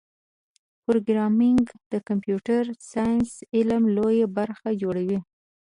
پروګرامېنګ د کمپیوټر ساینس علم لویه برخه جوړوي.